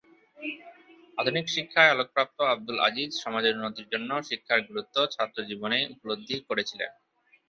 আধুনিক শিক্ষায় আলোকপ্রাপ্ত আবদুল আজীজ সমাজের উন্নতির জন্য শিক্ষার গুরুত্ব ছাত্রজীবনেই উপলব্ধি করেছিলেন।